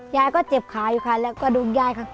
ยายก็เจ็บขาอยู่ค่ะแล้วก็ดุมยายค่ะ